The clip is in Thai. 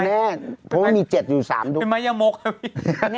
เพราะมันมี๗อยู่๓ทุกคน